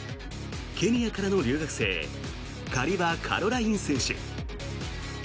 ケニアからの留学生カリバ・カロライン選手。